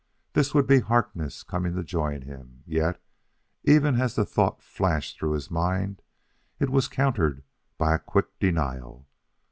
This would be Harkness coming to join him; yet, even as the thought flashed through his mind, it was countered by a quick denial.